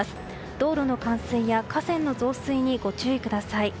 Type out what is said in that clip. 道路の冠水や河川の増水にご注意ください。